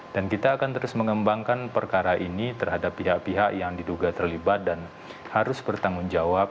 dan kita akan terus mengembangkan perkara ini terhadap pihak pihak yang diduga terlibat dan harus bertanggung jawab